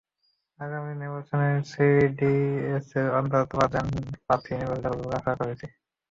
আগামী নির্বাচনে সিডিডিএসের অন্তত পাঁচজন প্রার্থী নির্বাচন করবে বলে আশা করছি।